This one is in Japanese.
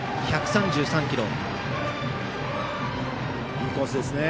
いいコースですね。